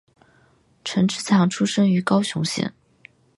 陈志强出生于高雄县。